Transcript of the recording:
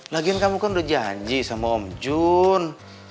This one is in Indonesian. lagiin kamu kan udah janji sama om jun